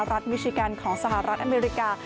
รัฐมิชิกันของสหรัฐอเมริกา